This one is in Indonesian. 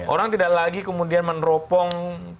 orang tidak lagi kemudian meneropong proses penghitungan suara